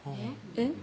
「えっ？